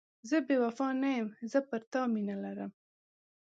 زه بې وفا نه یم، زه پر تا مینه لرم.